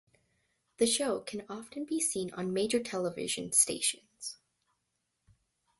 The show can often be seen on major television stations.